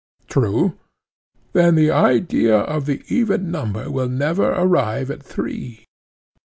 True. Then the idea of the even number will never arrive at three?